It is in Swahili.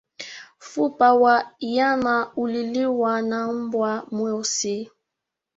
Mfupa wa yana uliliwa na imbwa mweusi.